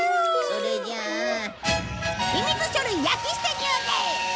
それじゃあ秘密書類焼き捨て銃で！